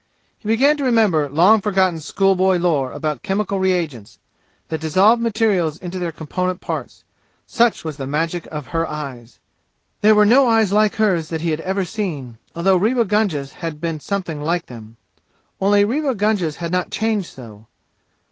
He began to remember long forgotten schoolboy lore about chemical reagents, that dissolve materials into their component parts, such was the magic of her eyes. There were no eyes like hers that he had ever seen, although Rewa Gunga's had been something like them. Only Rewa Gunga's had not changed so.